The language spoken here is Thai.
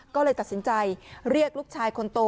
ก็เลยตัดสินใจเรียกลูกชายคนโต